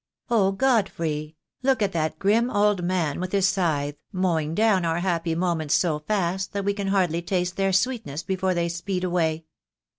"Oh, Godfrey! look at that grim old man with his scythe, mowing down our happy moments so fast that we can hardly taste their sweetness before they speed away.